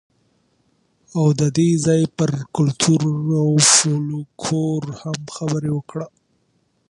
او د دې ځای پر کلتور او فولکلور هم خبرې وکړئ.